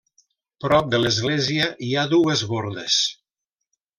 Prop de l'església hi ha dues bordes.